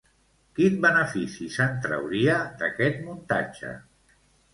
Quin benefici se'n trauria d'aquest muntatge?